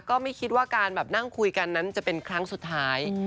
ก็ไม่คิดว่าการแบบนั่งคุยกันนั้นจะเป็นครั้งสุดท้าย